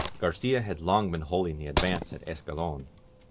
Gar cia had long been holding the advance at Escalon.